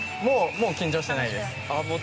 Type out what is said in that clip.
もう緊張してないです。